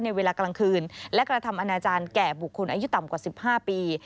เวลากลางคืนและกระทำอนาจารย์แก่บุคคลอายุต่ำกว่า๑๕ปี